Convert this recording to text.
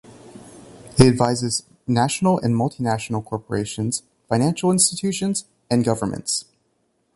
It advises national and multinational corporations, financial institutions and governments.